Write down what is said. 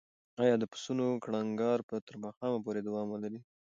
ایا د پسونو کړنګار به تر ماښامه پورې دوام ولري؟